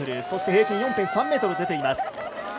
そして平均４．３ｍと出ています。